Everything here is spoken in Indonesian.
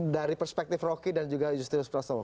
dari perspektif rocky dan juga justinus prastowo